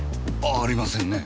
あありませんね。